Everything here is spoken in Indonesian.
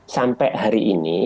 sampai hari ini